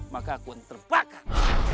maka aku akan terbakar